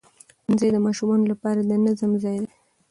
ښوونځی د ماشومانو لپاره د نظم ځای دی